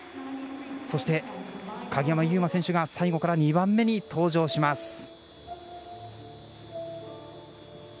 そして、鍵山優真選手が最後から２番目に登場します。